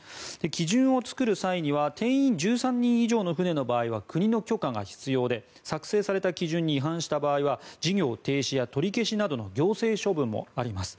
基準を作る際には定員１３人以上の船の場合は国の許可が必要で作成された基準に違反した場合は事業停止や取り消しなどの行政処分もあります。